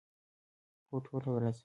هو، ټوله ورځ